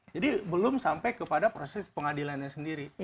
jadi belum sampai kepada proses pengadilannya sendiri